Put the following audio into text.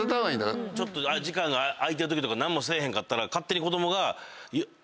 ちょっと時間が空いてるときとか何もせえへんかったら。